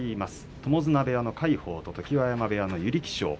友綱部屋の魁鵬と常盤山部屋の優力勝